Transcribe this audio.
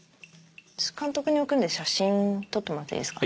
監督に送るんで写真撮ってもらっていいですか？